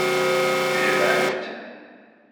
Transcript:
Jemɛen-t.